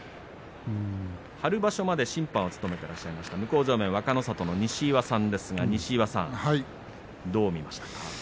春場所まで審判を務めてらっしゃいました向正面の若の里の西岩さんどう見ましたか。